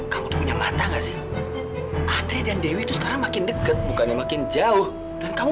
kamu punya mata gak sih andri dan dewi itu sekarang makin dekat bukannya makin jauh dan kamu